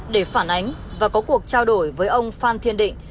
để phản ánh và có cuộc trao đổi với ông phan thiên định